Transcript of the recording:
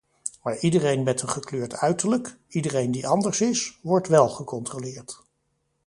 Maar iedereen met een gekleurd uiterlijk, iedereen die anders is, wordt wel gecontroleerd.